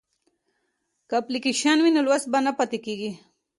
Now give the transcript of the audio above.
که اپلیکیشن وي نو لوست نه پاتیږي.